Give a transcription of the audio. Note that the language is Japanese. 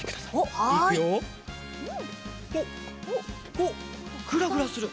おっぐらぐらする！